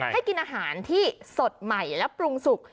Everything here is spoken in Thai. ให้กินอาหารที่สดใหม่และปรุงสุก